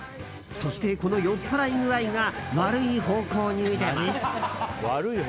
そして、この酔っ払い具合が悪い方向に出ます。